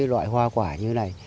loại hoa quả như này